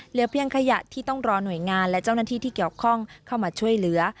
เหลือเพียงขยะที่ต้องรอหน่วยงานและเจ้าหน้าที่ที่เกี่ยวข้องเข้ามาช่วยเหลือ